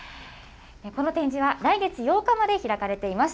この展示は来月８日まで開かれています。